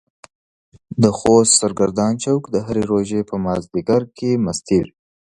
د خوست سرګردان چوک د هرې روژې په مازديګر کې مستيږي.